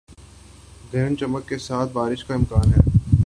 گرج چمک کے ساتھ بارش کا امکان ہے